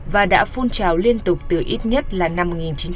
và đã phun trào liên tục từ ít nhất là năm một nghìn chín trăm bảy mươi